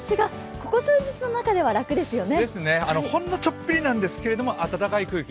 ここ数日の中では楽ですよね。